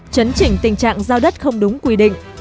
chấn chỉnh tình trạng giao đất không đúng quy định